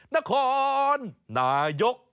นครนายก